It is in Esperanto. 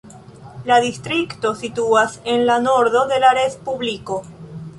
La distrikto situas en la nordo de la respubliko.